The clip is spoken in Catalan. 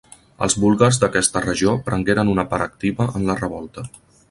Els búlgars d'aquesta regió prengueren una part activa en la revolta.